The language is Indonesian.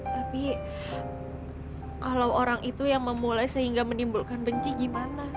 tapi kalau orang itu yang memulai sehingga menimbulkan benci gimana